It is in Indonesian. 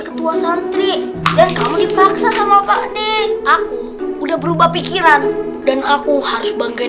ketua santri dan kamu dipaksa sama pak nih aku udah berubah pikiran dan aku harus banggain